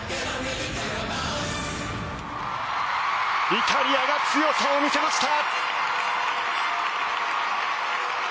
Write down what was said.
イタリアが強さを見せました。